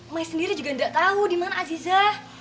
mai sendiri juga gak tau dimana ajiza